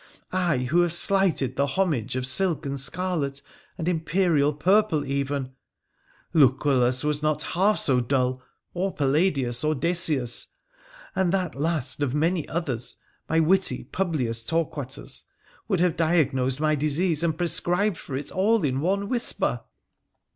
— I, who have slighted the homage of silk and scarlet, and Imperial purple even ! Lucullus was not half so dull —or Palladius, or Decius ; and that last of many others, my witty Publius Torquatus, would have diagnosed my disease and prescribed for it all in one whisper.'